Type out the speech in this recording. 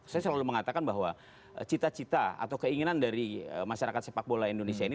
saya selalu mengatakan bahwa cita cita atau keinginan dari masyarakat sepak bola indonesia ini